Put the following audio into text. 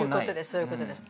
そういうことです